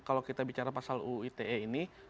kalau kita bicara pasal uu ite ini